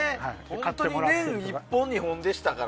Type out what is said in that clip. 本当に年に１本２本でしたから。